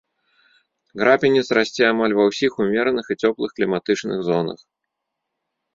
Крапінец расце амаль ва ўсіх ўмераных і цёплых кліматычных зонах.